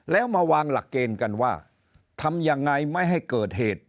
แล้วมาวางหลักเกณฑ์กันว่าทำยังไงไม่ให้เกิดเหตุ